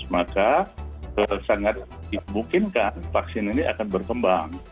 maka sangat dimungkinkan vaksin ini akan berkembang